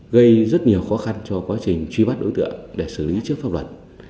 gây rất nhiều khó khăn cho quá trình truy bắt đối tượng để xử lý trước pháp luật